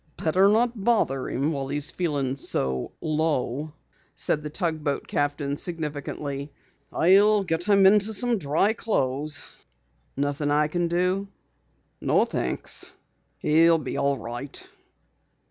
"Better not bother him while he's feeling so low," said the tugboat captain significantly. "I'll get him into some dry clothes." "Nothing I can do?" "No, thanks, he'll be all right."